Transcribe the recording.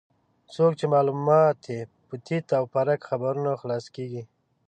څوک چې معلومات یې په تیت و پرک خبرونو خلاصه کېږي.